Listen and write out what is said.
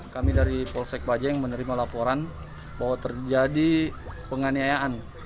kami dari polsek bajeng menerima laporan bahwa terjadi penganiayaan